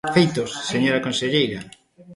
¡Feitos, señora conselleira!